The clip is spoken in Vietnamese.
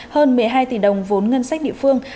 hơn một mươi hai tỷ đồng vốn ngân sách địa phương